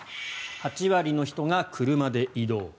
８割の人が車で移動。